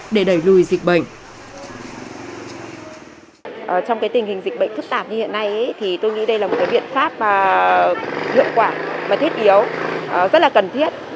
trong tình hình dịch bệnh thức tạp như hiện nay tôi nghĩ đây là một biện pháp hiệu quả và thiết yếu rất là cần thiết